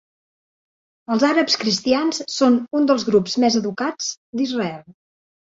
Els àrabs cristians són un dels grups més educats d'Israel.